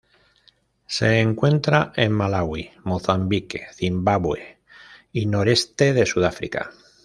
Se encuentra en Malaui, Mozambique, Zimbabue y noreste de Sudáfrica.